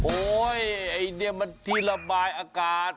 โอ๊ยไอ้นี่มันที่ระบายอากาศ